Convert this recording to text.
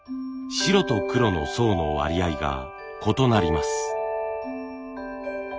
白と黒の層の割合が異なります。